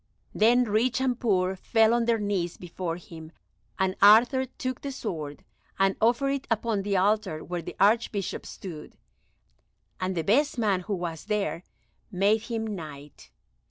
Then rich and poor fell on their knees before him, and Arthur took the sword and offered it upon the altar where the Archbishop stood, and the best man who was there made him Knight.